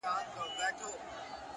پوه انسان له تېروتنې معنا جوړوي